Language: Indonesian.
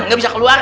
nggak bisa keluar